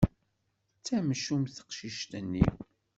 D tamcumt teqcict-nni.